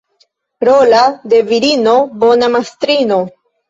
Rola de virino — bona mastrino.